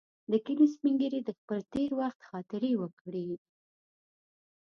د کلي سپین ږیري د خپل تېر وخت خاطرې وکړې.